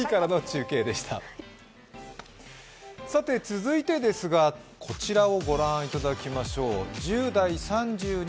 続いて、こちらを御覧いただきましょう。